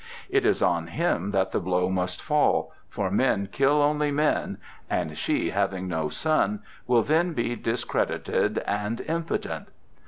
It is on him that the blow must fall, for men kill only men, and she, having no son, will then be discredited and impotent."